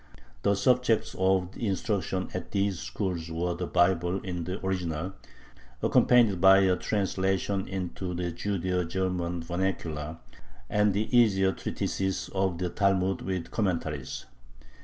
The subjects of instruction at these schools were the Bible in the original, accompanied by a translation into the Judeo German vernacular, and the easier treatises of the Talmud with commentaries.